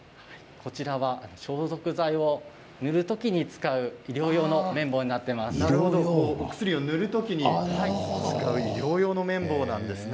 これは消毒剤を塗る時に使うお薬を塗る時に使う医療用のものなんですね。